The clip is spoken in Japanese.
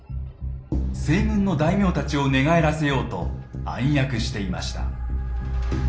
西軍の大名たちを寝返らせようと暗躍していました。